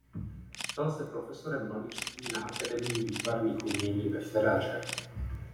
Stal se profesorem malířství na Akademii výtvarných umění ve Ferraře.